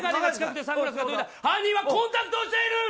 犯人はコンタクトをしている。